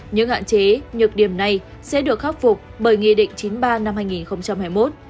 những hạn chế nhược điểm này sẽ được khắc phục bởi nghị định chín mươi ba năm hai nghìn hai mươi một